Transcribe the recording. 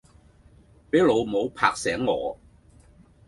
俾老母拍醒我